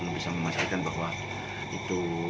bisa memastikan bahwa itu